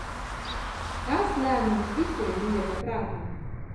Tāds lēmums visiem bija pa prātam.